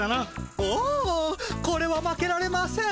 おおこれは負けられません。